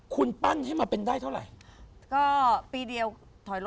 คุณปั้นให้มาเป็นได้เท่าไหร่